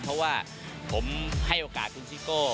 เพราะว่าผมให้โอกาสคุณซิโก้